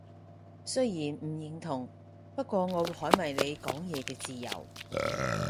雖然唔認同，不過我會捍衛你講嘢嘅自由